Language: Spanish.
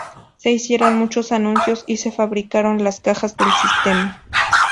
Se hicieron muchos anuncios y se fabricaron las cajas del sistema.